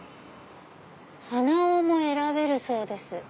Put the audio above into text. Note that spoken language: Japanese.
鼻緒も選べるそうです。